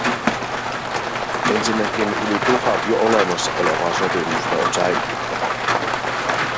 Ensinnäkin yli tuhat jo olemassa olevaa sopimusta on säilytettävä.